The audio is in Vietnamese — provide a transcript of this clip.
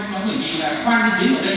nó bởi vì là khoan cái dính ở đây